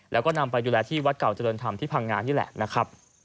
แล้วก็นำไปดูแลที่วัดเก่าเจริญธรรมที่พังงานนี่แหละนะครับ